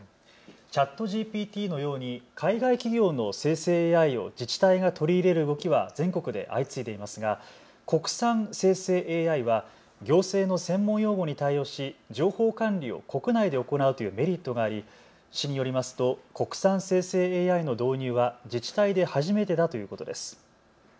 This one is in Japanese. ＣｈａｔＧＰＴのように海外企業の生成ＡＩを自治体が取り入れる動きは全国で相次いでいますが国産生成ＡＩは行政の専門用語に対応し情報管理を国内で行うというメリットがあり市によりますと国産生成ＡＩの導入は自治体で初めてだということです。